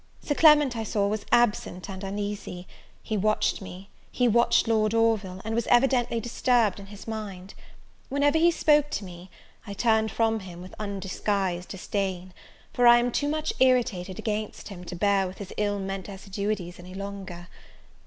Sir Clement, I saw, was absent and uneasy; he watched me, he watched Lord Orville, and was evidently disturbed in his mind. Whenever he spoke to me, I turned from him with undisguised disdain, for I am too much irritated against him, to bear with his ill meant assiduities any longer.